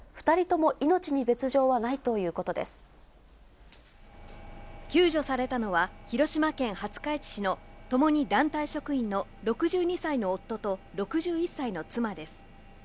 ２人とも命に別状はないというこ救助されたのは、広島県廿日市市の共に団体職員の６２歳の夫と、６１歳の妻です。